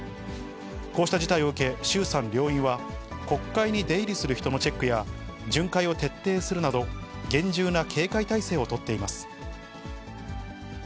こうした事態を受け、衆参両院は、国会に出入りする人のチェックや、巡回を徹底するなど、厳重な警戒態勢を取っています。